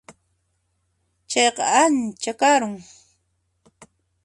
Chayqa ancha karun.